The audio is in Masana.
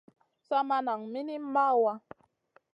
Sa maʼa nan minim mawaa.